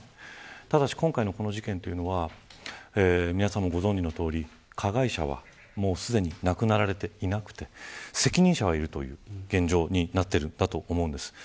ただし、今回の事件というのは皆さんもご存じのとおり加害者はすでに亡くなって、いなくて責任者がいるという現状になっているんだと思うんです。